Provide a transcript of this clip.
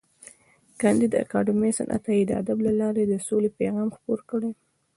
کانديد اکاډميسن عطايي د ادب له لارې د سولې پیغام خپور کړی دی.